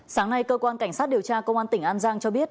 sáng nay cơ quan cảnh sát điều tra công an tỉnh an giang cho biết